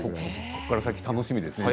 ここから先楽しみですね。